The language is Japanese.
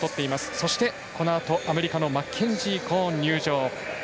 そして、このあとアメリカのマッケンジー・コーン、入場。